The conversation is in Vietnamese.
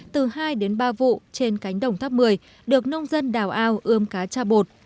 từ hai đến ba vụ trên cánh đồng tháp một mươi được nông dân đào ao ươm cá cha bột